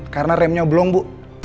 karena remnya belum bu